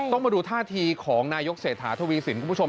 ต้องมาดูท่าทีของนายกเศรษฐาทวีสินคุณผู้ชม